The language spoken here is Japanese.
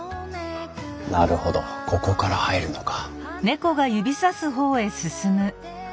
なるほどここから入るのか。